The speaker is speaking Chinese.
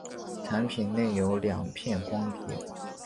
产品内有两片光碟。